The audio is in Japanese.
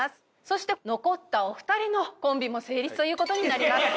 そして残ったお二人のコンビも成立という事になります。